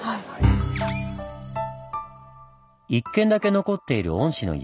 １軒だけ残っている御師の家。